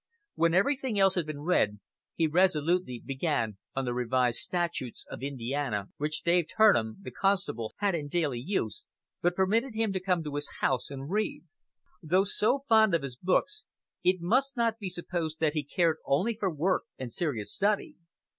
When everything else had been read, he resolutely began on the "Revised Statutes of Indiana," which Dave Turnham, the constable, had in daily use, but permitted him to come to his house and read. Though so fond of his books; it must not be supposed that he cared only for work and serious study.